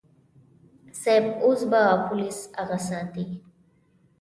صيب اوس به پوليس اغه ساتي.